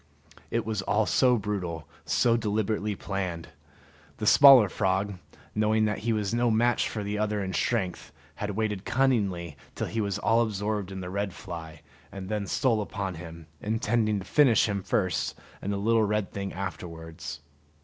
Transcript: It was all so brutal, so deliberately planned! The smaller frog, knowing that he was no match for the other in strength, had waited cunningly till he was all absorbed in the red fly, and then stole upon him, intending to finish him first and the little red thing afterwards.